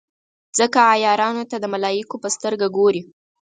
ځکه عیارانو ته د ملایکو په سترګه ګوري.